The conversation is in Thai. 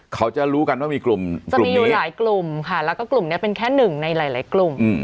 เขาจะรู้กันว่ามีกลุ่มจะมีอยู่หลายกลุ่มค่ะแล้วก็กลุ่มนี้เป็นแค่หนึ่งในหลายกลุ่ม